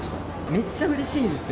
めっちゃうれしいんですよ。